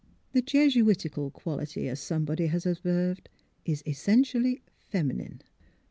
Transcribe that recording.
The Jesuitical quality, as somebody has observed, is essentially feminine.